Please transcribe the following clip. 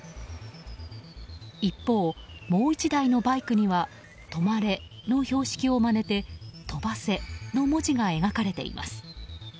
一方、もう１台のバイクにはとまれの標識をまねてとばせの文字が描かれています。